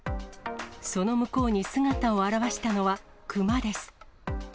その向こうに姿を現したのはクマです。